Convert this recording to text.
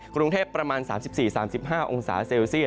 กรุงเทพประมาณ๓๔๓๕องศาเซลซี